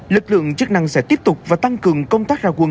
lực lượng chức năng sẽ tiếp tục và tăng cường công tác giao thông